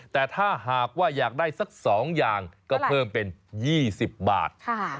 แต่ถ้าหากว่าอยากได้สัก๒อย่างก็เพิ่มเป็น๒๐บาท